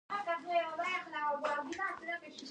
موږ ټول غواړو.